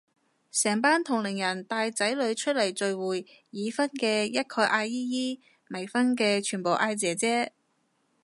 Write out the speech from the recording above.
成班同齡人帶仔女出嚟聚會，已婚嘅一概嗌姨姨，未婚嘅全部嗌姐姐